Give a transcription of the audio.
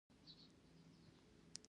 سپاهیانو د انګلیسانو پر ضد وسله پورته کړه.